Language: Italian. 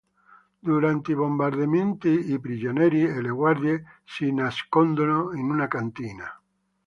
Durante i bombardamenti, i prigionieri e le guardie si nascondono in una cantina.